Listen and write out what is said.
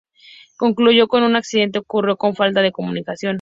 Concluyó que "el accidente ocurrió por falta de comunicación".